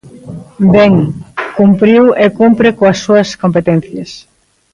Ben, cumpriu e cumpre coas súas competencias.